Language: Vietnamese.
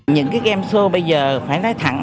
những cái game show bây giờ phải nói thẳng